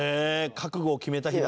覚悟を決めた日だ。